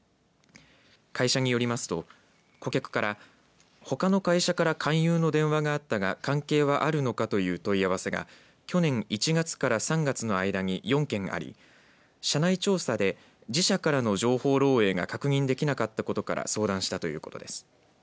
会社によりますと顧客から、ほかの会社から勧誘の電話があったが関係はあるのかという問い合わせが去年１月から３月の間に４件あり社内調査で自社からの情報漏えいが確認できなかったことから相談したということです。